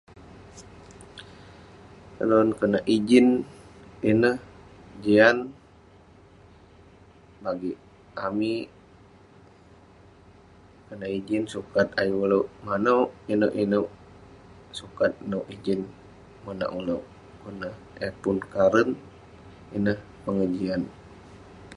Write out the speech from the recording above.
Barang konak ijin ineh, jian bagik amik. Karna ijin sukat ayuk manouk inuek-inuek. Sukat nouk ijin monak ulouk, monak eh ulouk pun karen. Ineh pengejian.